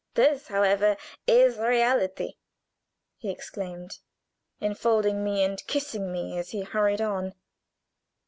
"This, however, is reality!" he exclaimed, infolding me and kissing me as he hurried on.